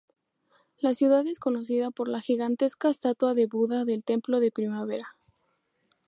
La ciudad es conocida por la gigantesca estatua de Buda del Templo de Primavera.